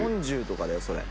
４０とかだよそれ。